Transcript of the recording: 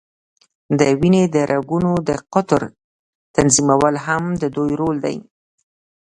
د وینې د رګونو د قطر تنظیمول هم د دوی رول دی.